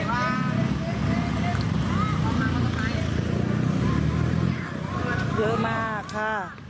เยอะมากค่ะ